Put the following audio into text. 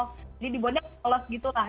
jadi dibuatnya seles gitu lah